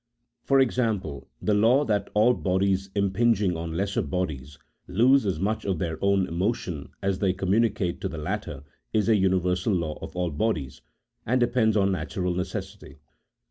For example, the law that all bodies impinging on lesser bodies, lose as much of their own motion as they commu nicate to the latter is a universal law of all bodies, and de pends on natural necessity.